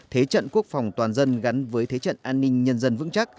thế trận quốc phòng toàn dân gắn với thế trận an ninh nhân dân vững chắc